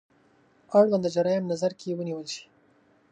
اړونده جرايم نظر کې ونیول شي.